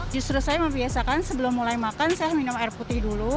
justru saya membiasakan sebelum mulai makan saya minum air putih dulu